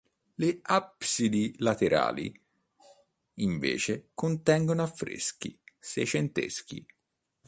Le absidi laterali, invece, contengono affreschi seicenteschi.